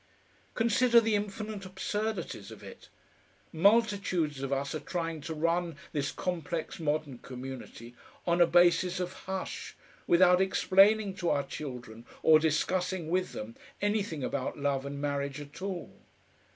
Consider the infinite absurdities of it! Multitudes of us are trying to run this complex modern community on a basis of "Hush" without explaining to our children or discussing with them anything about love and marriage at all.